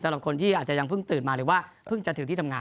สำหรับคนที่อาจจะยังเพิ่งตื่นมาหรือว่าเพิ่งจะถึงที่ทำงาน